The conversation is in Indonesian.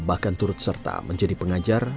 bahkan turut serta menjadi pengajar